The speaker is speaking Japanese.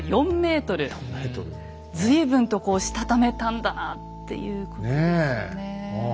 随分とこうしたためたんだなっていうことですよねえ。